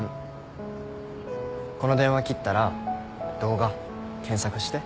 この電話切ったら動画検索して。